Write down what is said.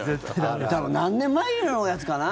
多分、何年前のやつかな。